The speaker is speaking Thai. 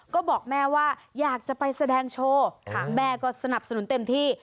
ก็บอกแม่ว่าอยากจะไปแสดงโชว์แม่ก็สนับสนุนเต็มที่